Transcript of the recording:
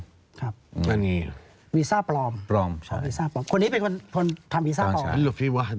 มีใครต้องจ่ายค่าคุมครองกันทุกเดือนไหม